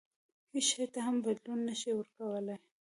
هیڅ شي ته هم بدلون نه شي ورکولای.